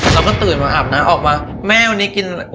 เราก็ตื่นมาอาบน้ำออกมาแม่วันนี้กิน